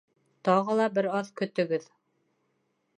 Тағы ла бер аҙ көтөгөҙ